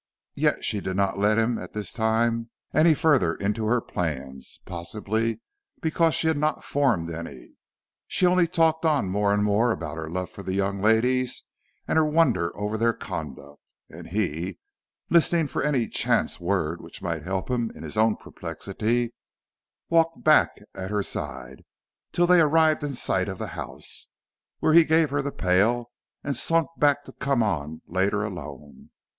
Yet she did not let him at this time any further into her plans, possibly because she had not formed any. She only talked on more and more about her love for the young ladies, and her wonder over their conduct, and he, listening for any chance word which might help him in his own perplexity, walked back at her side, till they arrived in sight of the house, when he gave her the pail and slunk back to come on later alone.